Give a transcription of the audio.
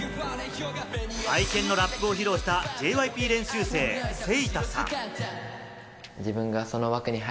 愛犬のラップを披露したＪＹＰ練習生・セイタさん。